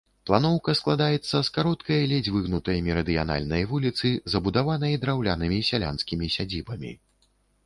Планоўка складаецца з кароткай, ледзь выгнутай мерыдыянальнай вуліцы, забудаванай драўлянымі сялянскімі сядзібамі.